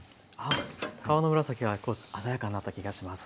皮の紫が鮮やかになった気がします。